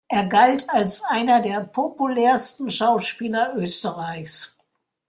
Er galt als einer der populärsten Schauspieler Österreichs.